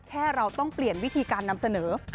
เราต้องเปลี่ยนวิธีการนำเสนอ